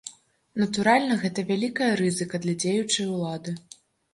Натуральна, гэта вялікая рызыка для дзеючай улады.